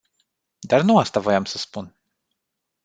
Dar nu asta voiam să spun.